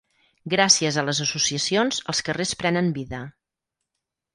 Gràcies a les associacions, els carrers prenen vida.